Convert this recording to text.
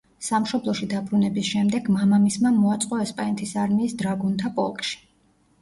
სამშობლოში დაბრუნების შემდეგ მამამისმა მოაწყო ესპანეთის არმიის დრაგუნთა პოლკში.